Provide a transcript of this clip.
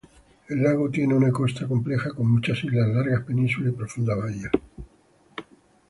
El lago tiene una costa compleja con muchas islas, largas penínsulas y profundas bahías.